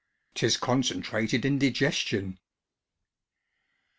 (_'Tis concentrated indigestion!